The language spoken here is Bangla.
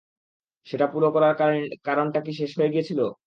সেটা পুরো করার কারণটা কী শেষ হয়ে গেছিলো?